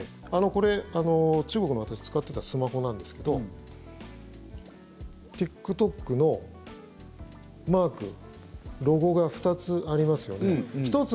これ、中国の私、使ってたスマホなんですけどＴｉｋＴｏｋのマーク、ロゴが２つありますよね。